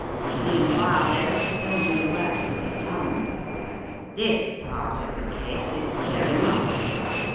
Meanwhile, there is still more work to be done. This part of the case is clear enough.